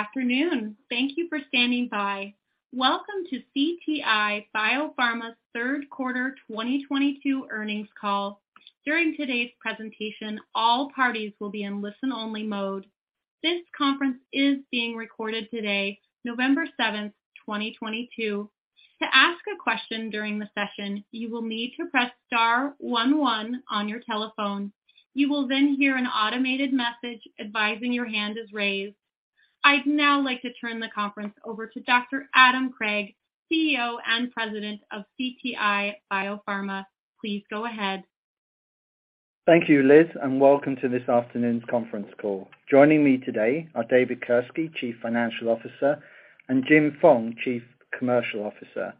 Good afternoon. Thank you for standing by. Welcome to CTI BioPharma third quarter 2022 earnings call. During today's presentation, all parties will be in listen only mode. This conference is being recorded today, November 7th, 2022. To ask a question during the session, you will need to press star one one on your telephone. You will then hear an automated message advising your hand is raised. I'd now like to turn the conference over to Dr. Adam Craig, CEO and President of CTI BioPharma. Please go ahead. Thank you, Liz, and welcome to this afternoon's conference call. Joining me today are David Kirske, Chief Financial Officer, and Jim Fong, Chief Commercial Officer.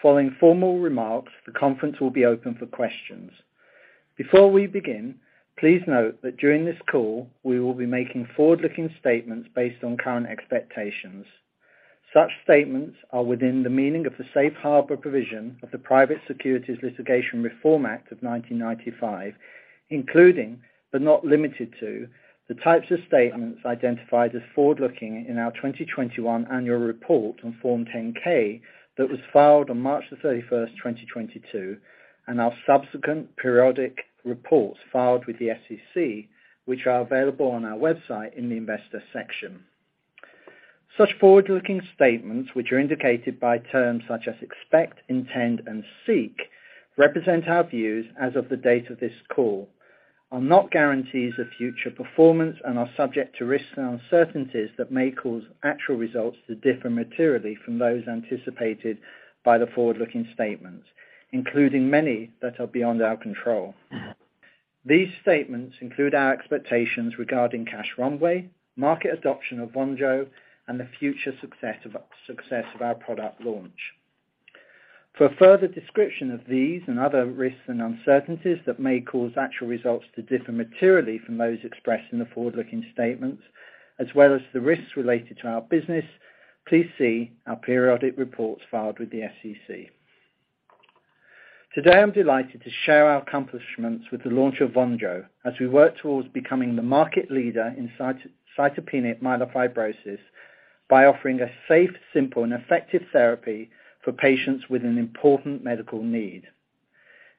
Following formal remarks, the conference will be open for questions. Before we begin, please note that during this call, we will be making forward-looking statements based on current expectations. Such statements are within the meaning of the safe harbor provision of the Private Securities Litigation Reform Act of 1995, including, but not limited to, the types of statements identified as forward-looking in our 2021 annual report on Form 10-K that was filed on March the 31st, 2022, and our subsequent periodic reports filed with the SEC, which are available on our website in the investor section. Such forward-looking statements, which are indicated by terms such as expect, intend, and seek, represent our views as of the date of this call, are not guarantees of future performance, and are subject to risks and uncertainties that may cause actual results to differ materially from those anticipated by the forward-looking statements, including many that are beyond our control. These statements include our expectations regarding cash runway, market adoption of VONJO, and the future success of our product launch. For a further description of these and other risks and uncertainties that may cause actual results to differ materially from those expressed in the forward-looking statements, as well as the risks related to our business, please see our periodic reports filed with the SEC. Today, I'm delighted to share our accomplishments with the launch of VONJO, as we work towards becoming the market leader in cytopenic myelofibrosis by offering a safe, simple, and effective therapy for patients with an important medical need.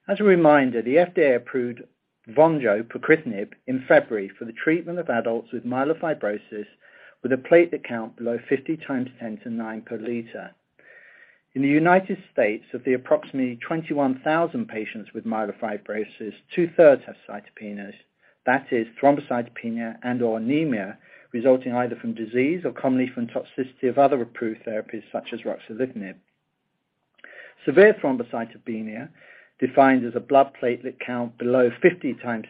As a reminder, the FDA approved VONJO, pacritinib, in February for the treatment of adults with myelofibrosis with a platelet count below 50x10 to the nine per liter. In the United States, of the approximately 21,000 patients with myelofibrosis, two-thirds have cytopenias. That is thrombocytopenia and/or anemia, resulting either from disease or commonly from toxicity of other approved therapies such as ruxolitinib. Severe thrombocytopenia, defined as a blood platelet count below 50 times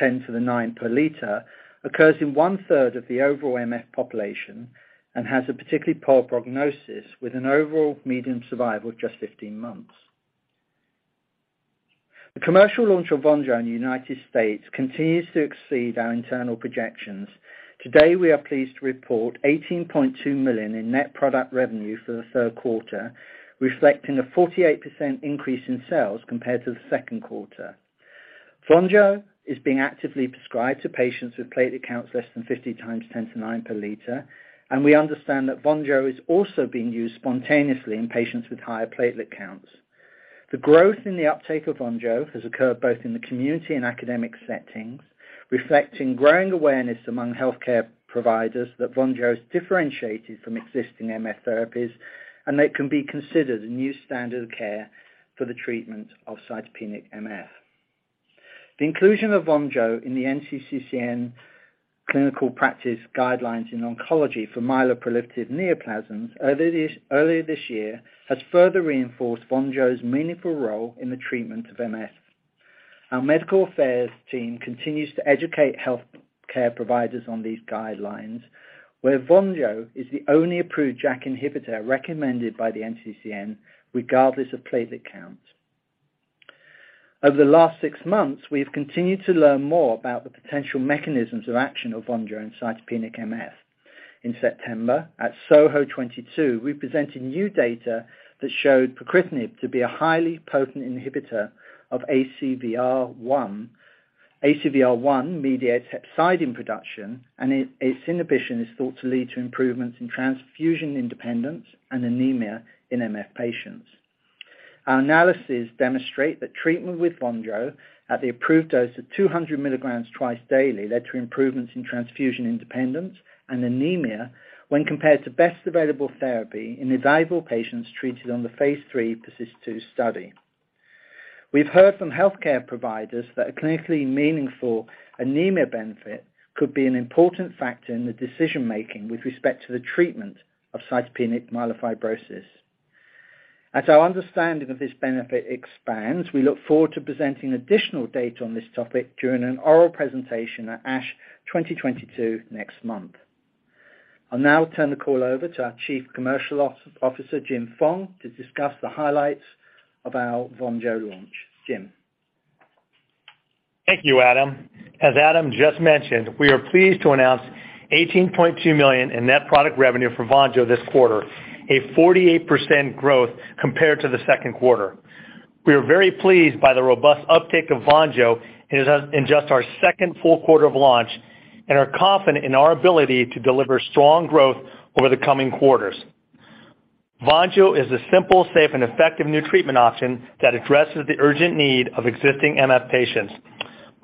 10 to the nine per liter, occurs in one-third of the overall MF population and has a particularly poor prognosis, with an overall median survival of just 15 months. The commercial launch of VONJO in the United States continues to exceed our internal projections. Today, we are pleased to report $18.2 million in net product revenue for the third quarter, reflecting a 48% increase in sales compared to the second quarter. VONJO is being actively prescribed to patients with platelet counts less than 50x10 to the nine per liter, and we understand that VONJO is also being used spontaneously in patients with higher platelet counts. The growth in the uptake of VONJO has occurred both in the community and academic settings, reflecting growing awareness among healthcare providers that VONJO is differentiated from existing MF therapies and that it can be considered a new standard of care for the treatment of cytopenic MF. The inclusion of VONJO in the NCCN clinical practice guidelines in oncology for myeloproliferative neoplasms earlier this year has further reinforced VONJO's meaningful role in the treatment of MF. Our medical affairs team continues to educate healthcare providers on these guidelines, where VONJO is the only approved JAK inhibitor recommended by the NCCN, regardless of platelet count. Over the last six months, we have continued to learn more about the potential mechanisms of action of VONJO in cytopenic MF. In September, at SOHO 2022, we presented new data that showed pacritinib to be a highly potent inhibitor of ACVR1. ACVR1 mediates hepcidin production, and its inhibition is thought to lead to improvements in transfusion independence and anemia in MF patients. Our analysis demonstrate that treatment with VONJO at the approved dose of 200 milligrams twice daily led to improvements in transfusion independence and anemia when compared to best available therapy in evaluable patients treated on the phase III PERSIST-2 study. We've heard from healthcare providers that a clinically meaningful anemia benefit could be an important factor in the decision-making with respect to the treatment of cytopenic myelofibrosis. As our understanding of this benefit expands, we look forward to presenting additional data on this topic during an oral presentation at ASH 2022 next month. I'll now turn the call over to our Chief Commercial Officer, Jim Fong, to discuss the highlights of our VONJO launch. Jim. Thank you, Adam. As Adam just mentioned, we are pleased to announce $18.2 million in net product revenue for VONJO this quarter, a 48% growth compared to the second quarter. We are very pleased by the robust uptake of VONJO in just our second full quarter of launch and are confident in our ability to deliver strong growth over the coming quarters. VONJO is a simple, safe, and effective new treatment option that addresses the urgent need of existing MF patients.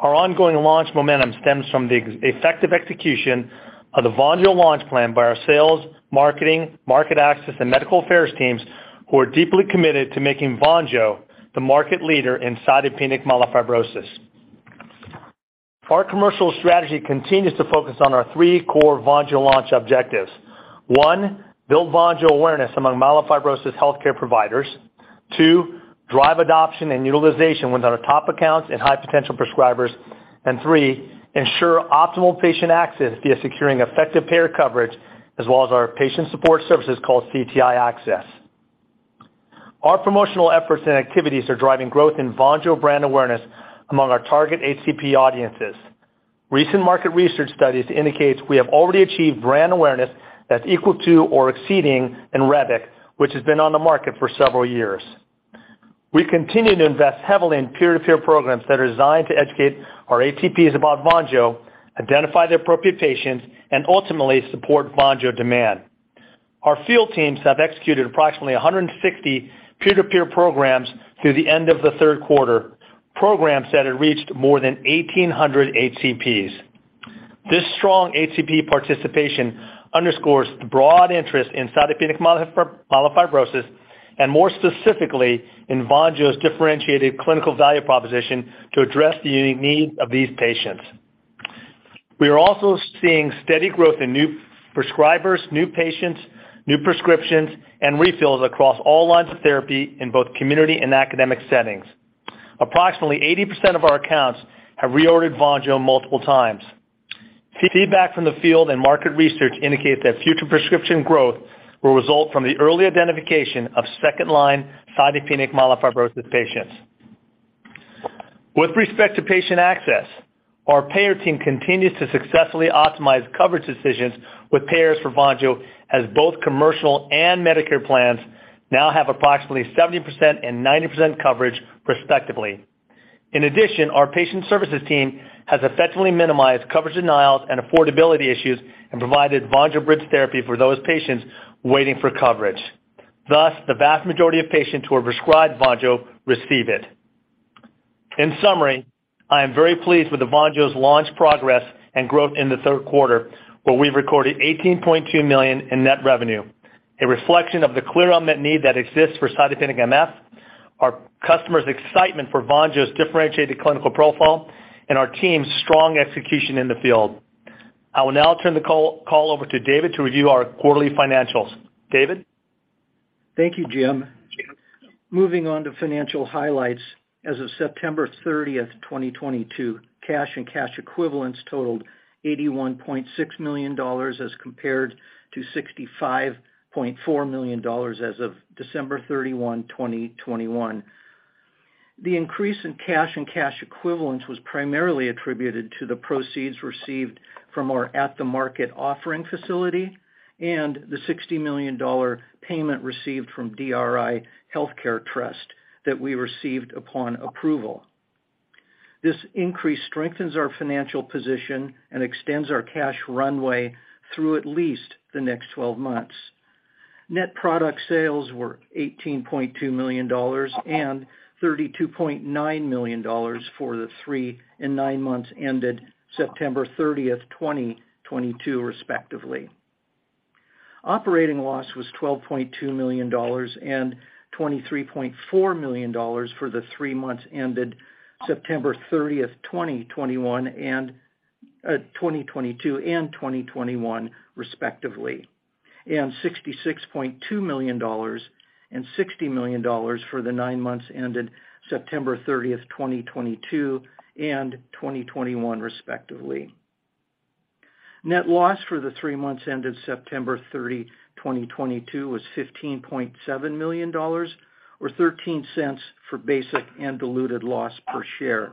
Our ongoing launch momentum stems from the effective execution of the VONJO launch plan by our sales, marketing, market access, and medical affairs teams, who are deeply committed to making VONJO the market leader in cytopenic myelofibrosis. Our commercial strategy continues to focus on our three core VONJO launch objectives. One, build VONJO awareness among myelofibrosis healthcare providers. Two, drive adoption and utilization within our top accounts and high-potential prescribers. Three, ensure optimal patient access via securing effective payer coverage as well as our patient support services called CTI Access. Our promotional efforts and activities are driving growth in VONJO brand awareness among our target HCP audiences. Recent market research studies indicate we have already achieved brand awareness that's equal to or exceeding INREBIC, which has been on the market for several years. We continue to invest heavily in peer-to-peer programs that are designed to educate our HCPs about VONJO, identify the appropriate patients, and ultimately support VONJO demand. Our field teams have executed approximately 160 peer-to-peer programs through the end of the third quarter, programs that have reached more than 1,800 HCPs. This strong HCP participation underscores the broad interest in cytopenic myelofibrosis, and more specifically, in VONJO's differentiated clinical value proposition to address the unique needs of these patients. We are also seeing steady growth in new prescribers, new patients, new prescriptions, and refills across all lines of therapy in both community and academic settings. Approximately 80% of our accounts have reordered VONJO multiple times. Feedback from the field and market research indicate that future prescription growth will result from the early identification of second line cytopenic myelofibrosis patients. With respect to patient access, our payer team continues to successfully optimize coverage decisions with payers for VONJO, as both commercial and Medicare plans now have approximately 70% and 90% coverage respectively. In addition, our patient services team has effectively minimized coverage denials and affordability issues and provided VONJO bridge therapy for those patients waiting for coverage. Thus, the vast majority of patients who are prescribed VONJO receive it. In summary, I am very pleased with VONJO's launch progress and growth in the third quarter, where we recorded $18.2 million in net revenue, a reflection of the clear unmet need that exists for cytopenic MF, our customers' excitement for VONJO's differentiated clinical profile, and our team's strong execution in the field. I will now turn the call over to David to review our quarterly financials. David? Thank you, Jim. Moving on to financial highlights. As of September 30th, 2022, cash and cash equivalents totaled $81.6 million as compared to $65.4 million as of December 31st, 2021. The increase in cash and cash equivalents was primarily attributed to the proceeds received from our at-the-market offering facility and the $60 million payment received from DRI Healthcare Trust that we received upon approval. This increase strengthens our financial position and extends our cash runway through at least the next 12 months. Net product sales were $18.2 million and $32.9 million for the three and nine months ended September 30th, 2022, respectively. Operating loss was $12.2 million and $23.4 million for the three months ended September 30th, 2022 and 2021 respectively, and $66.2 million and $60 million for the nine months ended September 30th, 2022 and 2021 respectively. Net loss for the three months ended September 30th, 2022, was $15.7 million or $0.13 for basic and diluted loss per share,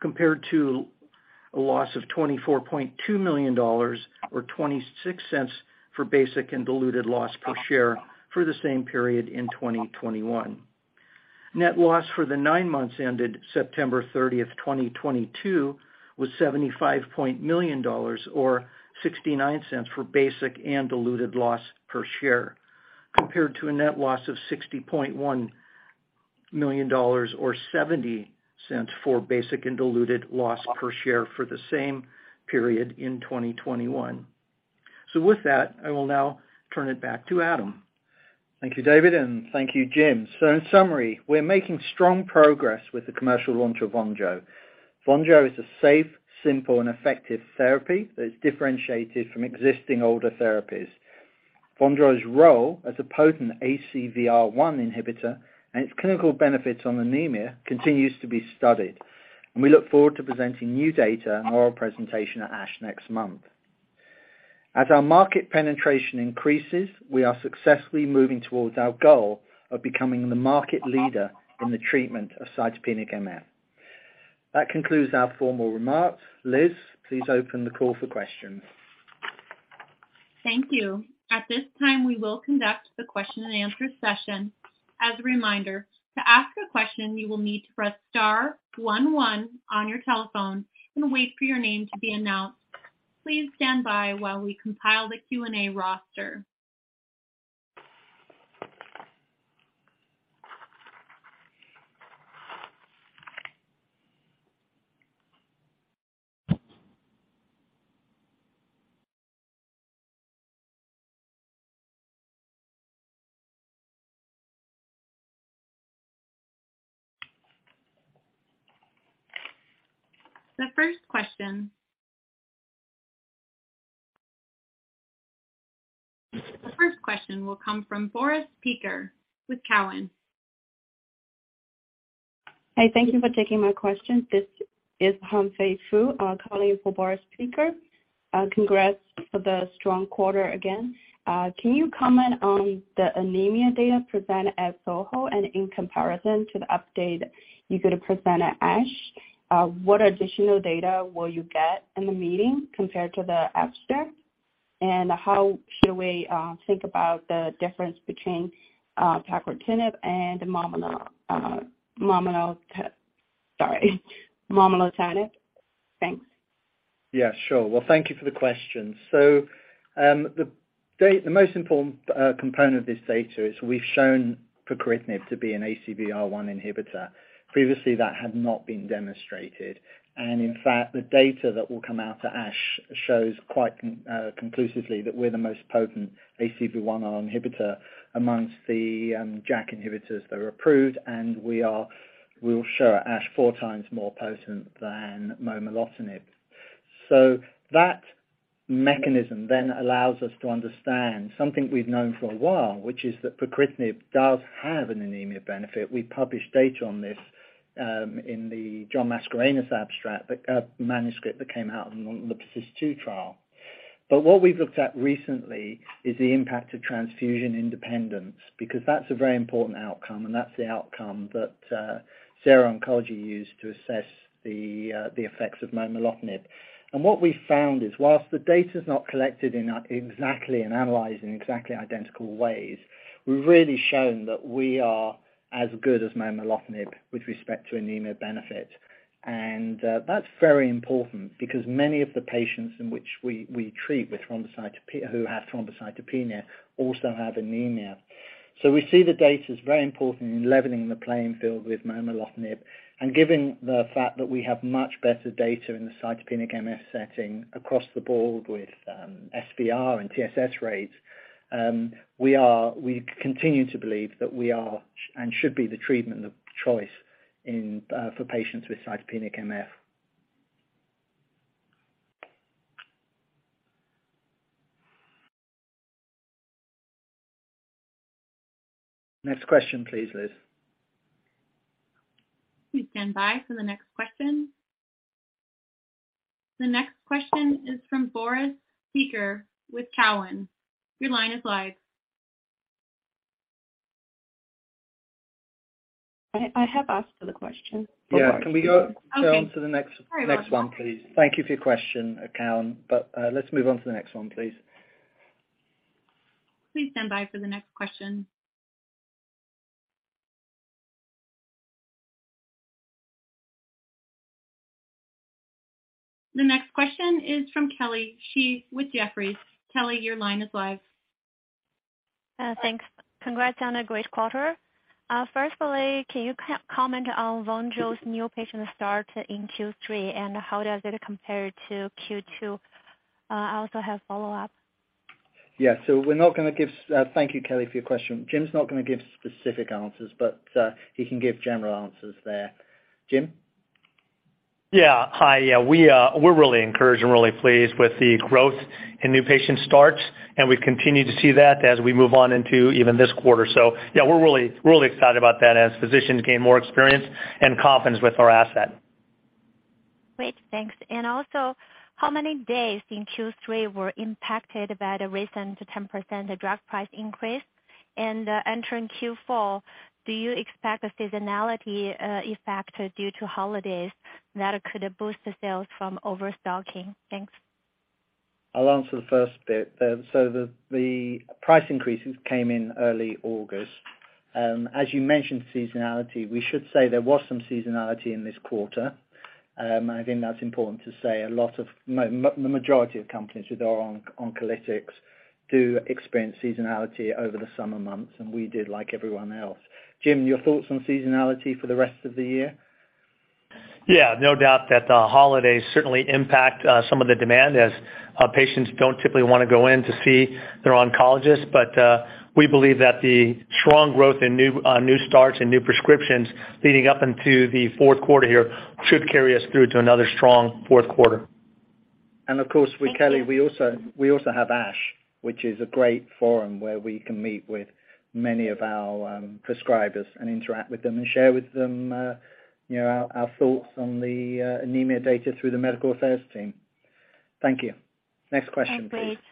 compared to a loss of $24.2 million or $0.26 for basic and diluted loss per share for the same period in 2021. Net loss for the nine months ended September 30th, 2022, was $75 million or $0.69 for basic and diluted loss per share, compared to a net loss of $60.1 million or $0.70 for basic and diluted loss per share for the same period in 2021. With that, I will now turn it back to Adam. Thank you, David, and thank you, Jim. In summary, we're making strong progress with the commercial launch of VONJO. VONJO is a safe, simple, and effective therapy that is differentiated from existing older therapies. VONJO's role as a potent ACVR1 inhibitor and its clinical benefits on anemia continues to be studied, and we look forward to presenting new data in an oral presentation at ASH next month. As our market penetration increases, we are successfully moving towards our goal of becoming the market leader in the treatment of cytopenic MF. That concludes our formal remarks. Liz, please open the call for questions. Thank you. At this time, we will conduct the question and answer session. As a reminder, to ask a question, you will need to press star one one on your telephone and wait for your name to be announced. Please stand by while we compile the Q&A roster. The first question will come from Boris Peaker with Cowen. Hi. Thank you for taking my question. This is Hangfei Fu calling in for Boris Peaker. Congrats for the strong quarter again. Can you comment on the anemia data presented at SOHO and in comparison to the update you could present at ASH? What additional data will you get in the meeting compared to the abstract, and how should we think about the difference between pacritinib and momelotinib? Thanks. Well, thank you for the question. The most important component of this data is we've shown pacritinib to be an ACVR1 inhibitor. Previously, that had not been demonstrated. In fact, the data that will come out of ASH shows quite conclusively that we're the most potent ACVR1 inhibitor amongst the JAK inhibitors that are approved. We'll show at ASH four times more potent than momelotinib. That mechanism then allows us to understand something we've known for a while, which is that pacritinib does have an anemia benefit. We published data on this in the John Mascarenhas manuscript that came out on the PAC-203 trial. What we've looked at recently is the impact of transfusion independence, because that's a very important outcome, and that's the outcome that Sierra Oncology used to assess the effects of momelotinib. What we found is, whilst the data's not collected and analyzed in exactly identical ways, we've really shown that we are as good as momelotinib with respect to anemia benefit. That's very important because many of the patients in which we treat who have thrombocytopenia also have anemia. We see the data's very important in leveling the playing field with momelotinib. Given the fact that we have much better data in the cytopenic MF setting across the board with SVR and TSS rates, we continue to believe that we are, and should be, the treatment of choice for patients with cytopenic MF. Next question, please, Liz. Please stand by for the next question. The next question is from Boris Peaker with Cowen. Your line is live. I have asked for the question for Boris. Yeah. Can we go on to the next one, please? Sorry about that. Thank you for your question at Cowen, let's move on to the next one, please. Please stand by for the next question. The next question is from Kelly Shi with Jefferies. Kelly, your line is live. Thanks. Congrats on a great quarter. Can you comment on VONJO's new patient start in Q3, and how does it compare to Q2? I also have follow-up. Yeah. Thank you, Kelly, for your question. Jim's not going to give specific answers, but he can give general answers there. Jim? Yeah. Hi. We're really encouraged and really pleased with the growth in new patient starts. We continue to see that as we move on into even this quarter. Yeah, we're really excited about that as physicians gain more experience and confidence with our asset. Also, how many days in Q3 were impacted by the recent 10% drug price increase? Entering Q4, do you expect a seasonality effect due to holidays that could boost the sales from overstocking? Thanks. I'll answer the first bit. The price increases came in early August. You mentioned seasonality, we should say there was some seasonality in this quarter. I think that's important to say. The majority of companies with our oncolytics do experience seasonality over the summer months, and we did like everyone else. Jim, your thoughts on seasonality for the rest of the year? No doubt that the holidays certainly impact some of the demand as patients don't typically want to go in to see their oncologists. We believe that the strong growth in new starts and new prescriptions leading up into the fourth quarter here should carry us through to another strong fourth quarter. Thank you. Of course, Kelly Shi, we also have ASH, which is a great forum where we can meet with many of our prescribers and interact with them and share with them our thoughts on the anemia data through the medical affairs team. Thank you. Next question, please. Thanks.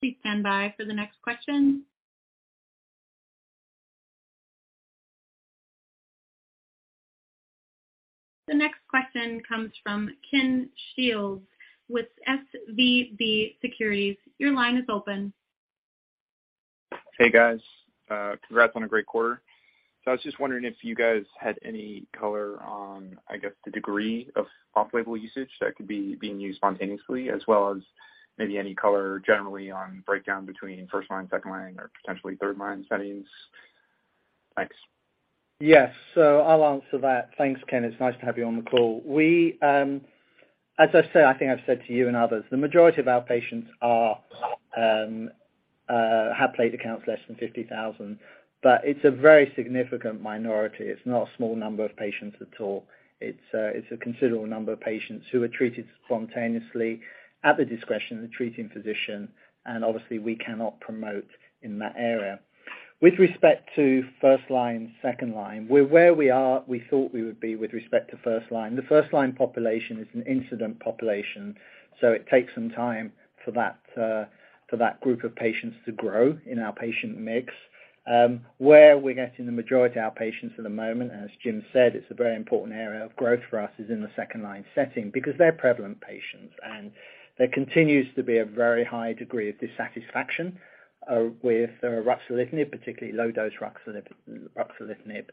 Please stand by for the next question. The next question comes from Kenneth Shields with SVB Securities. Your line is open. Hey, guys. Congrats on a great quarter. I was just wondering if you guys had any color on, I guess, the degree of off-label usage that could be being used spontaneously as well as maybe any color generally on breakdown between first-line, second-line or potentially third-line settings. Thanks. Yes. I'll answer that. Thanks, Ken. It's nice to have you on the call. As I say, I think I've said to you and others, the majority of our patients have platelet counts less than 50,000, but it's a very significant minority. It's not a small number of patients at all. It's a considerable number of patients who are treated spontaneously at the discretion of the treating physician, and obviously we cannot promote in that area. With respect to first-line, second-line, we're where we are, we thought we would be with respect to first-line. The first-line population is an incident population, so it takes some time for that group of patients to grow in our patient mix. Where we're getting the majority of our patients at the moment, as Jim said, it's a very important area of growth for us, is in the second-line setting because they're prevalent patients and there continues to be a very high degree of dissatisfaction with ruxolitinib, particularly low-dose ruxolitinib.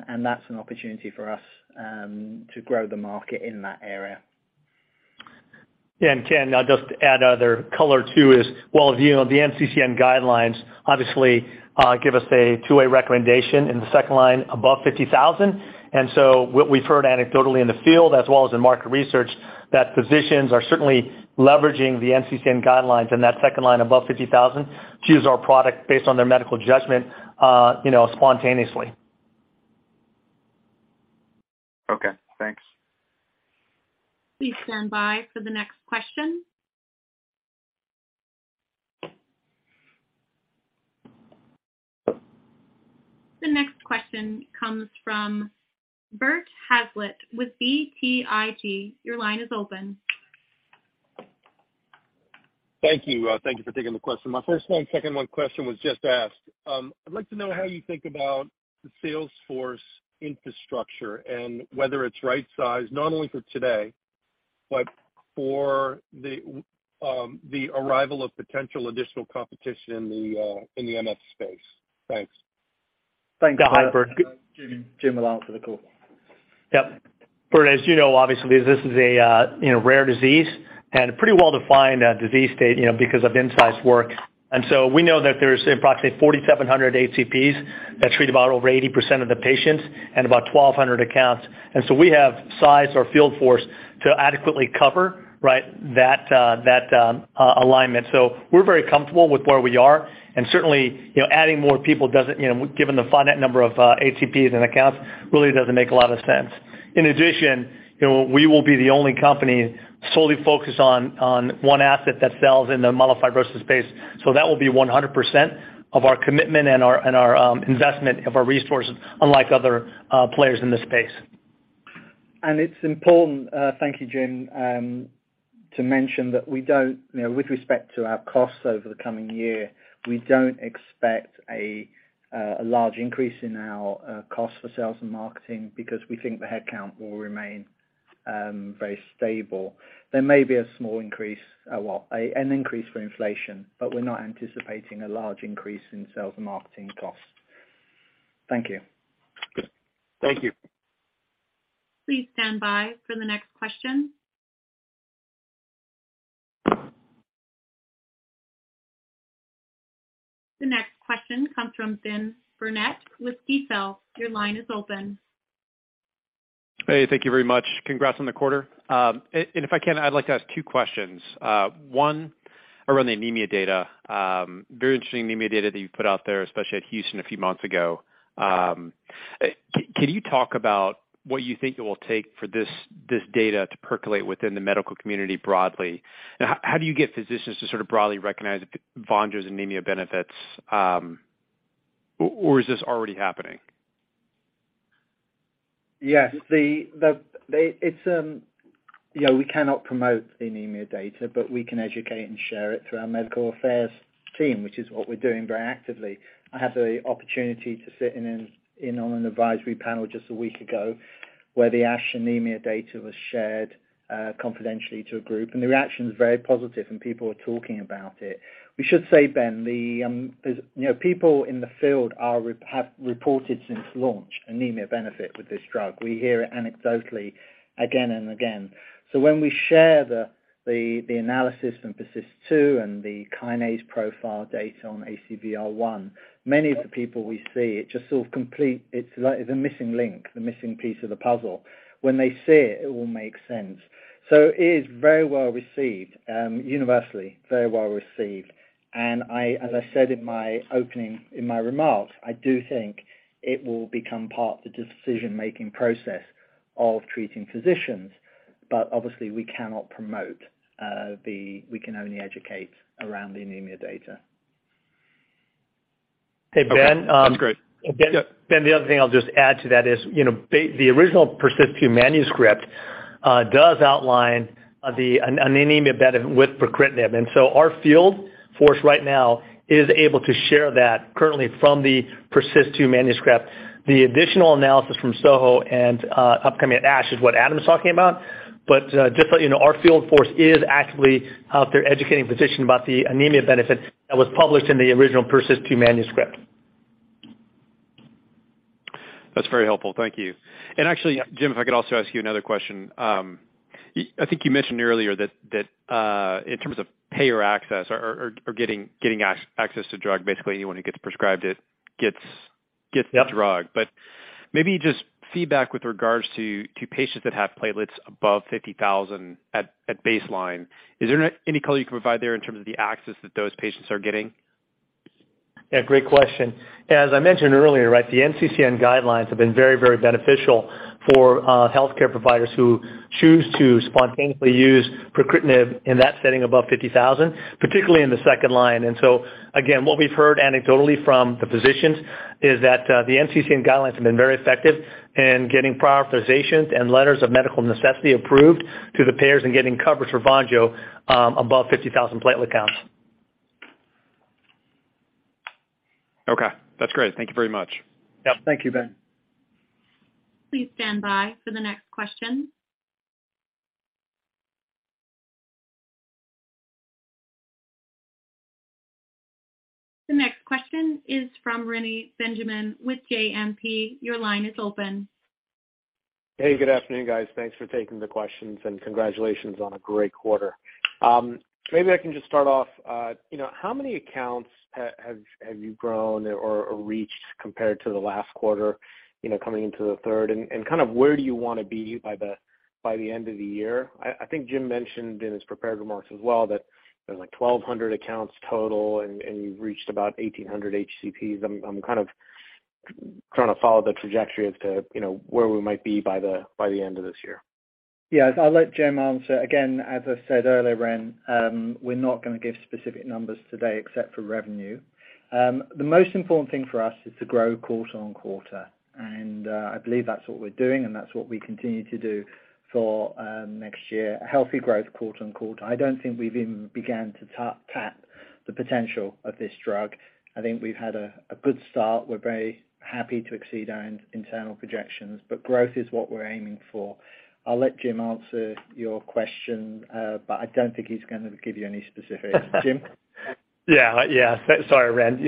That's an opportunity for us to grow the market in that area. Yeah. Ken, I'll just add other color too is, while the NCCN guidelines obviously give us a two-way recommendation in the second-line above 50,000. So what we've heard anecdotally in the field as well as in market research, that physicians are certainly leveraging the NCCN guidelines in that second-line above 50,000 to use our product based on their medical judgment spontaneously. Okay, thanks. Please stand by for the next question. The next question comes from Bert Hazlett with BTIG. Your line is open. Thank you. Thank you for taking the question. My first line, second one question was just asked. I'd like to know how you think about the sales force infrastructure and whether it's right size, not only for today, but for the arrival of potential additional competition in the MF space. Thanks. Thanks, Bert. Jim will answer the call. Yep. Bert, as you know, obviously, this is a rare disease and a pretty well-defined disease state, because of Incyte's work. We know that there's approximately 4,700 HCPs that treat about over 80% of the patients and about 1,200 accounts. We have sized our field force to adequately cover that alignment. We're very comfortable with where we are and certainly, adding more people, given the finite number of HCPs and accounts, really doesn't make a lot of sense. In addition, we will be the only company solely focused on one asset that sells in the modified risk space. That will be 100% of our commitment and our investment of our resources, unlike other players in this space. It's important, thank you, Jim, to mention that with respect to our costs over the coming year, we don't expect a large increase in our cost for sales and marketing because we think the headcount will remain very stable. There may be a small increase, an increase for inflation, but we're not anticipating a large increase in sales and marketing costs. Thank you. Thank you. Please stand by for the next question. The next question comes from Benjamin Burnett with T. Rowe Price. Your line is open. Hey, thank you very much. Congrats on the quarter. If I can, I'd like to ask two questions. One around the anemia data. Very interesting anemia data that you've put out there, especially at Houston a few months ago. Can you talk about what you think it will take for this data to percolate within the medical community broadly? How do you get physicians to sort of broadly recognize VONJO's anemia benefits? Or is this already happening? Yes. We cannot promote anemia data. We can educate and share it through our medical affairs team, which is what we're doing very actively. I had the opportunity to sit in on an advisory panel just a week ago where the ASH anemia data was shared confidentially to a group, and the reaction was very positive, and people are talking about it. We should say, Ben, people in the field have reported since launch anemia benefit with this drug. We hear it anecdotally again and again. When we share the analysis and PERSIST-2 and the kinase profile data on ACVR1, many of the people we see, it's the missing link, the missing piece of the puzzle. When they see it all makes sense. It is very well received, universally very well received. As I said in my opening, in my remarks, I do think it will become part of the decision-making process of treating physicians. Obviously we cannot promote, we can only educate around the anemia data. Okay. That's great. Ben, the other thing I'll just add to that is, the original PERSIST-2 manuscript does outline an anemia benefit with pacritinib. Our field force right now is able to share that currently from the PERSIST-2 manuscript. The additional analysis from SOHO and upcoming at ASH is what Adam's talking about. Just so you know, our field force is actively out there educating physicians about the anemia benefit that was published in the original PERSIST-2 manuscript. That's very helpful. Thank you. Actually, Jim, if I could also ask you another question. I think you mentioned earlier that in terms of payer access or getting access to drug, basically anyone who gets prescribed it, gets the drug. Yep. Maybe just feedback with regards to patients that have platelets above 50,000 at baseline. Is there any color you can provide there in terms of the access that those patients are getting? Yeah, great question. As I mentioned earlier, the NCCN guidelines have been very, very beneficial for healthcare providers who choose to spontaneously use pacritinib in that setting above 50,000, particularly in the second line. Again, what we've heard anecdotally from the physicians is that the NCCN guidelines have been very effective in getting prior authorizations and letters of medical necessity approved to the payers and getting coverage for VONJO above 50,000 platelet counts. Okay. That's great. Thank you very much. Yep. Thank you, Ben. Please stand by for the next question. The next question is from Reni Benjamin with JMP. Your line is open. Hey, good afternoon, guys. Thanks for taking the questions. Congratulations on a great quarter. Maybe I can just start off, how many accounts have you grown or reached compared to the last quarter, coming into the third? Where do you want to be by the end of the year? I think Jim mentioned in his prepared remarks as well that there's 1,200 accounts total. You've reached about 1,800 HCPs. I'm trying to follow the trajectory as to where we might be by the end of this year. Yeah. I'll let Jim answer. Again, as I said earlier, Ren, we're not going to give specific numbers today except for revenue. The most important thing for us is to grow quarter on quarter. I believe that's what we're doing, and that's what we continue to do for next year. A healthy growth quarter on quarter. I don't think we've even began to tap the potential of this drug. I think we've had a good start. We're very happy to exceed our internal projections. Growth is what we're aiming for. I'll let Jim answer your question. I don't think he's going to give you any specifics. Jim? Yeah. Sorry, Ren.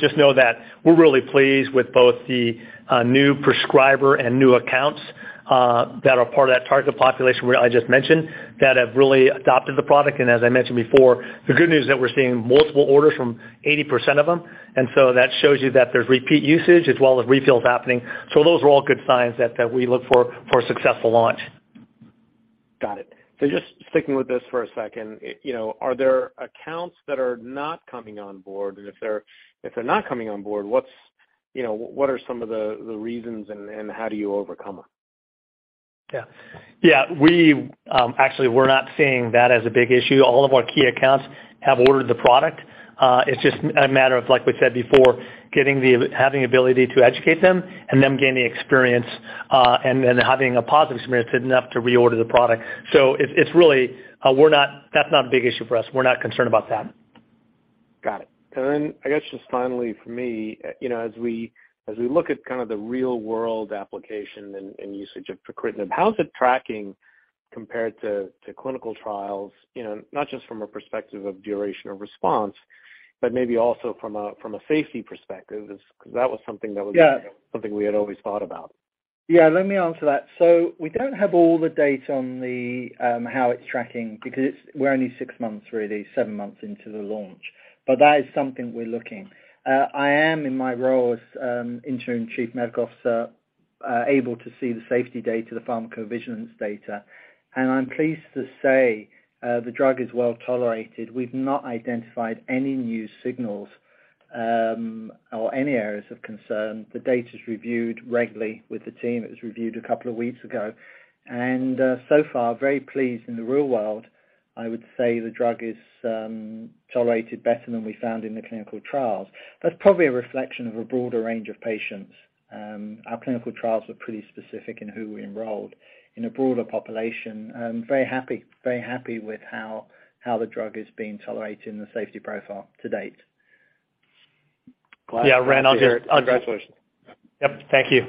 Just know that we're really pleased with both the new prescriber and new accounts that are part of that target population where I just mentioned that have really adopted the product. As I mentioned before, the good news that we're seeing multiple orders from 80% of them. That shows you that there's repeat usage as well as refills happening. Those are all good signs that we look for a successful launch. Got it. Just sticking with this for a second, are there accounts that are not coming on board? If they're not coming on board, what are some of the reasons and how do you overcome them? Yeah. Actually, we're not seeing that as a big issue. All of our key accounts have ordered the product. It's just a matter of, like we said before, having the ability to educate them and them gaining experience, having a positive experience is enough to reorder the product. That's not a big issue for us. We're not concerned about that. Got it. I guess just finally from me, as we look at the real-world application and usage of pacritinib, how's it tracking compared to clinical trials? Not just from a perspective of duration of response, but maybe also from a safety perspective, because that was something that. Yeah something we had always thought about. Let me answer that. We don't have all the data on how it's tracking, because we're only six months, really, seven months into the launch. That is something we're looking. I am, in my role as interim chief medical officer, able to see the safety data, the pharmacovigilance data. I'm pleased to say the drug is well-tolerated. We've not identified any new signals, or any areas of concern. The data's reviewed regularly with the team. It was reviewed a couple of weeks ago. So far, very pleased in the real world. I would say the drug is tolerated better than we found in the clinical trials. That's probably a reflection of a broader range of patients. Our clinical trials were pretty specific in who we enrolled. In a broader population, very happy with how the drug is being tolerated and the safety profile to date. Ren, Congratulations. Yep. Thank you.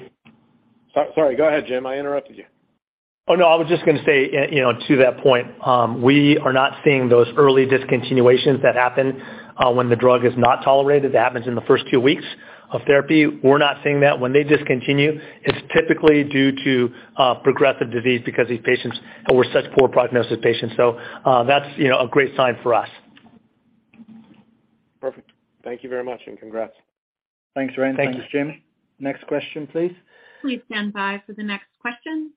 Sorry. Go ahead, Jim. I interrupted you. Oh, no. I was just going to say, to that point, we are not seeing those early discontinuations that happen when the drug is not tolerated. That happens in the first few weeks of therapy. We're not seeing that. When they discontinue, it's typically due to progressive disease because these patients were such poor prognosis patients. That's a great sign for us. Perfect. Thank you very much. Congrats. Thanks, Renny. Thanks, Jim. Next question, please. Please stand by for the next question.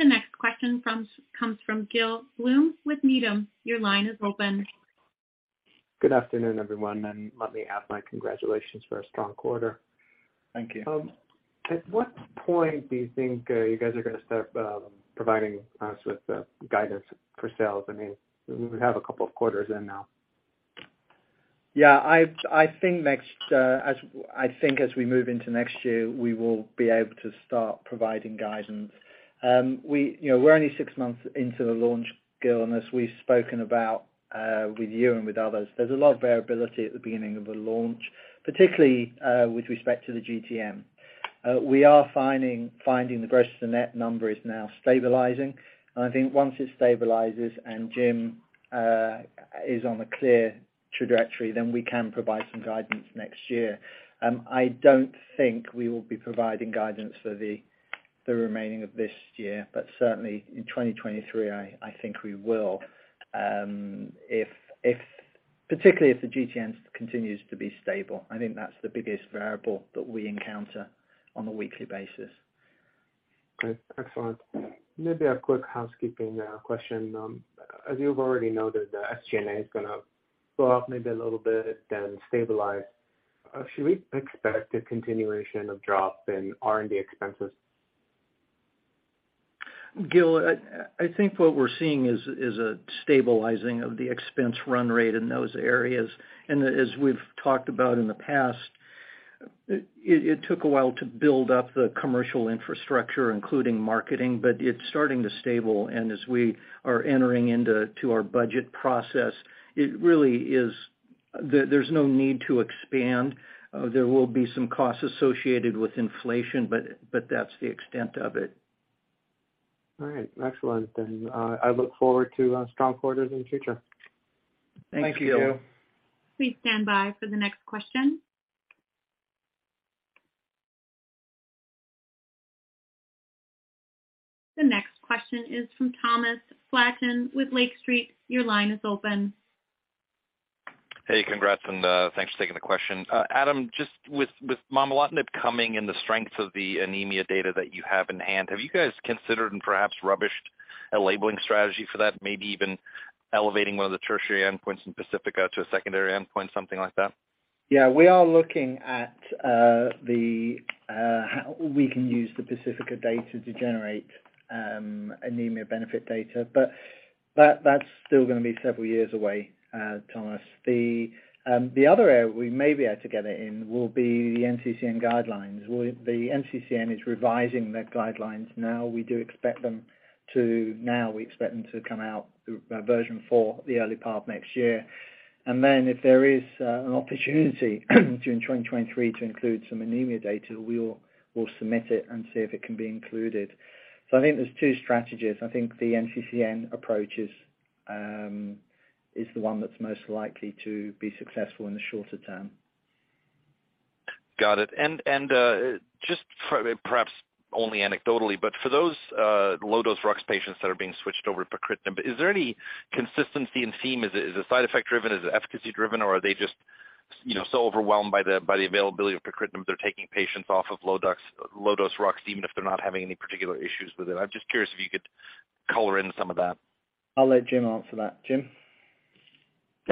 The next question comes from Gil Blum with Needham. Your line is open. Good afternoon, everyone. Let me add my congratulations for a strong quarter. Thank you. At what point do you think you guys are going to start providing us with guidance for sales? We have a couple of quarters in now. I think as we move into next year, we will be able to start providing guidance. We're only six months into the launch, Gil. As we've spoken about with you and with others, there's a lot of variability at the beginning of a launch, particularly with respect to the GTM. We are finding the Gross-To-Net number is now stabilizing. I think once it stabilizes and Jim is on a clear trajectory, then we can provide some guidance next year. I don't think we will be providing guidance for the remaining of this year, but certainly in 2023, I think we will. Particularly if GTM continues to be stable. I think that's the biggest variable that we encounter on a weekly basis. Great. Excellent. Maybe a quick housekeeping question. As you've already noted, the SG&A is going to go up maybe a little bit, then stabilize. Should we expect a continuation of drop in R&D expenses? Gil, I think what we're seeing is a stabilizing of the expense run rate in those areas. As we've talked about in the past, it took a while to build up the commercial infrastructure, including marketing, but it's starting to stable. As we are entering into our budget process, there's no need to expand. There will be some costs associated with inflation, but that's the extent of it. All right. Excellent. I look forward to strong quarters in the future. Thank you. Thank you, Gil. Please stand by for the next question. The next question is from Thomas Slatin with Lake Street. Your line is open. Hey, congrats, thanks for taking the question. Adam, just with momelotinib coming and the strength of the anemia data that you have in hand, have you guys considered and perhaps rubbished a labeling strategy for that, maybe even elevating one of the tertiary endpoints in PACIFICA to a secondary endpoint, something like that? Yeah, we are looking at how we can use the PACIFICA data to generate anemia benefit data. That's still going to be several years away, Thomas. The other area we may be able to get it in will be the NCCN guidelines. The NCCN is revising their guidelines now. We do expect them to come out with version 4 the early part of next year. Then if there is an opportunity during 2023 to include some anemia data, we'll submit it and see if it can be included. I think there's two strategies. I think the NCCN approach is the one that's most likely to be successful in the shorter term. Got it. Just perhaps only anecdotally, but for those low-dose Rux patients that are being switched over to pacritinib, is there any consistency and theme? Is it side effect driven? Is it efficacy driven, or are they just so overwhelmed by the availability of pacritinib, they're taking patients off of low-dose Rux even if they're not having any particular issues with it? I'm just curious if you could color in some of that. I'll let Jim answer that. Jim?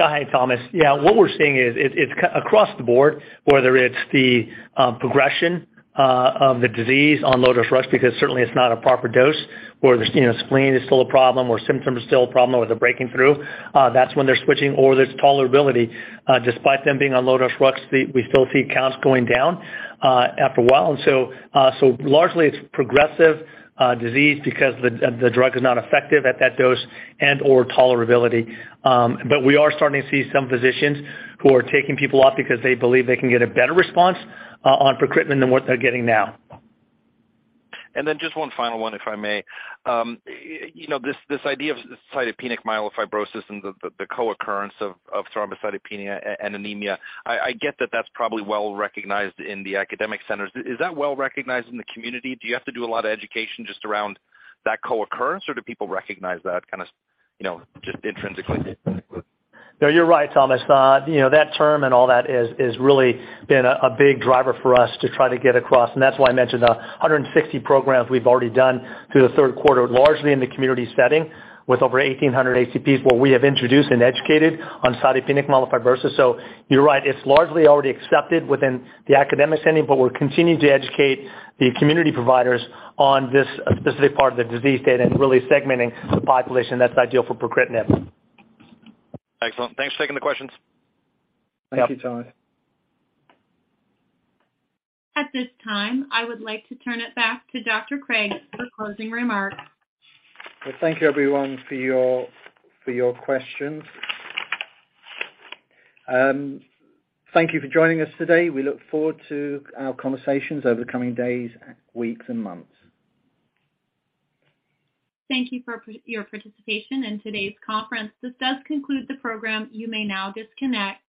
Hey, Thomas. What we're seeing is it's across the board, whether it's the progression of the disease on low-dose Rux, because certainly it's not a proper dose, or the spleen is still a problem, or symptoms are still a problem, or they're breaking through. That's when they're switching, or there's tolerability. Despite them being on low-dose Rux, we still see counts going down after a while. Largely it's progressive disease because the drug is not effective at that dose and/or tolerability. We are starting to see some physicians who are taking people off because they believe they can get a better response on pacritinib than what they're getting now. Just one final one, if I may. This idea of cytopenic myelofibrosis and the co-occurrence of thrombocytopenia and anemia, I get that that's probably well-recognized in the academic centers. Is that well-recognized in the community? Do you have to do a lot of education just around that co-occurrence, or do people recognize that kind of just intrinsically? You're right, Thomas. That term and all that has really been a big driver for us to try to get across, and that's why I mentioned 160 programs we've already done through the third quarter, largely in the community setting with over 1,800 HCPs where we have introduced and educated on cytopenic myelofibrosis. You're right. It's largely already accepted within the academic setting, but we're continuing to educate the community providers on this specific part of the disease state and really segmenting the population that's ideal for pacritinib. Excellent. Thanks for taking the questions. Yep. Thank you, Thomas. At this time, I would like to turn it back to Dr. Craig for closing remarks. Well, thank you everyone for your questions. Thank you for joining us today. We look forward to our conversations over the coming days, weeks, and months. Thank you for your participation in today's conference. This does conclude the program. You may now disconnect.